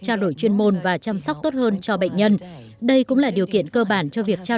trao đổi chuyên môn và chăm sóc tốt hơn cho bệnh nhân đây cũng là điều kiện cơ bản cho việc trao